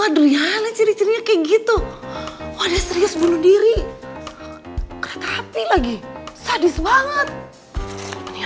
adriananya ciri cirinya kayak gitu waduh serius bunuh diri kereta api lagi sadis banget mendingan